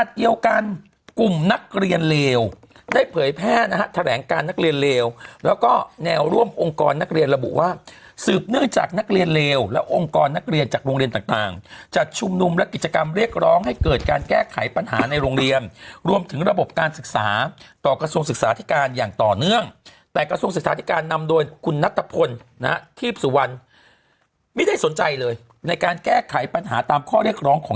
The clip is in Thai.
เดียวกันกลุ่มนักเรียนเลวได้เผยแพร่นะฮะแถลงการนักเรียนเลวแล้วก็แนวร่วมองค์กรนักเรียนระบุว่าสืบเนื่องจากนักเรียนเลวและองค์กรนักเรียนจากโรงเรียนต่างจัดชุมนุมและกิจกรรมเรียกร้องให้เกิดการแก้ไขปัญหาในโรงเรียนรวมถึงระบบการศึกษาต่อกระทรวงศึกษาธิการอย่างต่อเนื่